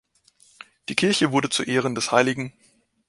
Die Kirche wurde zu Ehren des hl.